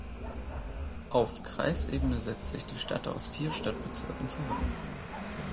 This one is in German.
Auf Kreisebene setzt sich die Stadt aus vier Stadtbezirken zusammen.